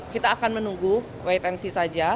kita akan menunggu wait and see saja